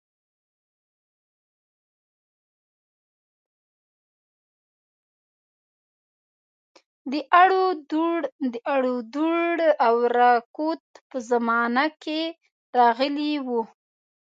د اړودوړ او رکود په زمانه کې راغلی وو.